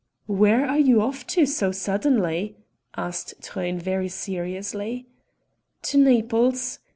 "Where are you off to so suddenly?" asked Truyn very seriously. "To Naples.